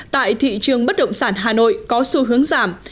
tại thị trường bất động sản hà nội có xu hướng giảm